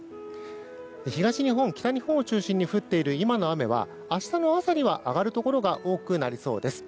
東日本、北日本を中心に降っている今の雨は明日の朝には上がるところが多くなりそうです。